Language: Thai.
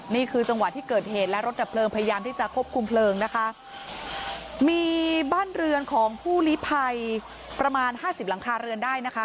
นี่คือจังหวะที่เกิดเหตุและรถดับเพลิงพยายามที่จะควบคุมเพลิงนะคะมีบ้านเรือนของผู้ลิภัยประมาณห้าสิบหลังคาเรือนได้นะคะ